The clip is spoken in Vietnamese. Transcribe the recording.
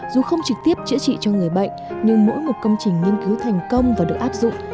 dù không trực tiếp chữa trị cho người bệnh nhưng mỗi một công trình nghiên cứu thành công và được áp dụng